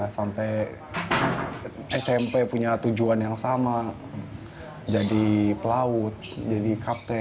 sampai smp punya tujuan yang sama jadi pelaut jadi kapten